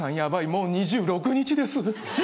もう２６日です！